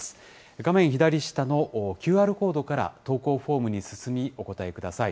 画面左下のＱＲコードから投稿フォームに進み、お答えください。